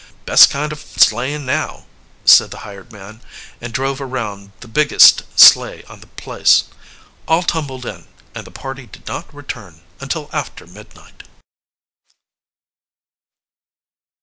"Best kind of sleighing now," said the hired man, and drove around the biggest sleigh on the place. All tumbled in, and the party did not return until after midnight.